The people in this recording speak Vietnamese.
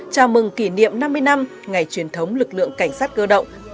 chào mừng kỷ niệm năm mươi năm ngày truyền thống lực lượng cảnh sát cơ động